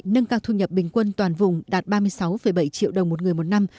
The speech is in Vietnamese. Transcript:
nâng cao thu nhập bình quân toàn vùng đạt ba mươi sáu bảy triệu đồng một người một năm